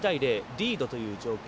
リードという状況。